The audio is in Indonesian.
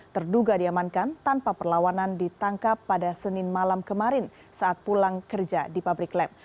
terduga diamankan tanpa perlawanan ditangkap pada senin malam kemarin saat pulang kerja di pabrik lem